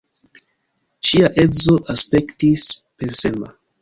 Ŝia edzo aspektis pensema.